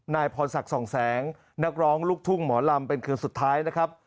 นายพรศักดิ์สองแสงนักร้องลูกทุ่งหมอลำเป็นคืนสุดท้ายนะครับ